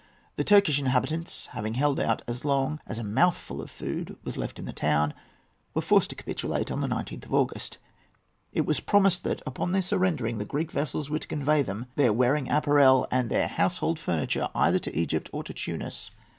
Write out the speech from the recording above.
The Turkish inhabitants having held out as long as a mouthful of food was left in the town, were forced to capitulate on the 19th of August. It was promised that, upon their surrendering, the Greek vessels were to convey them, their wearing apparel, and their household furniture, either to Egypt or to Tunis.